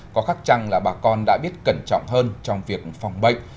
có khắc chăng là bà con đã biết cẩn trọng hơn trong việc phòng bệnh